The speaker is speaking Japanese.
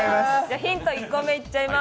ヒント、１個目いっちゃいます。